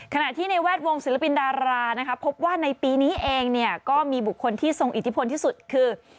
ขณะที่ในแวดวงศิลปินดารานะคะพบว่าในปีนี้เองเนี่ยก็มีบุคคลที่ทรงอิทธิพลที่สุดคือ